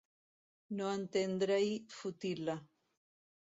No entendre-hi futil·la.